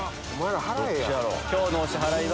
今日のお支払いは。